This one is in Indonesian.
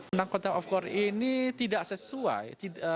penang konten of court ini tidak sesuai